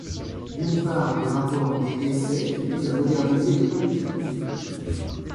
D’une part, des rapports et essais, qui visent à moderniser les politiques publiques.